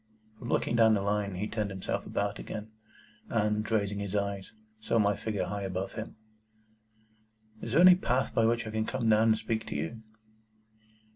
From looking down the Line, he turned himself about again, and, raising his eyes, saw my figure high above him. "Is there any path by which I can come down and speak to you?"